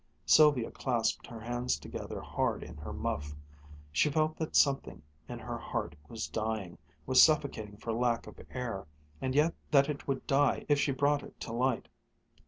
Sylvia clasped her hands together hard in her muff. She felt that something in her heart was dying, was suffocating for lack of air, and yet that it would die if she brought it to light.